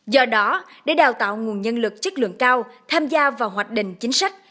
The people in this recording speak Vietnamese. do đó để đào tạo nguồn nhân lực chất lượng cao tham gia vào hoạch định chính sách